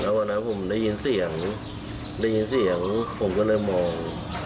วันนั้นผมได้ยินเสียงได้ยินเสียงผมก็เลยมอง